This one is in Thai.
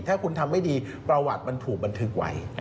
ถ้าคุณทำไม่ดีประวัติมันถูกบันทึกไว้